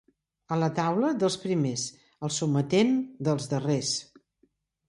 A la taula, dels primers; al sometent, dels darrers.